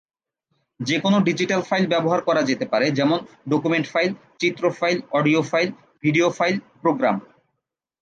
যে কোনও digital file ব্যবহার করা যেতে পারে যেমন ডকুমেন্ট ফাইল, চিত্র file, audio file, video file, programme.